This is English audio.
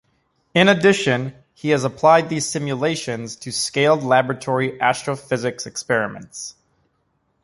In addition, he has applied these simulations to scaled laboratory astrophysics experiments.